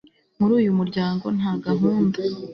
Muri uyu muryango nta gahunda